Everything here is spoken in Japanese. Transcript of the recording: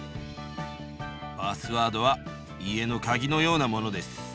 パスワードは家のカギのようなものです。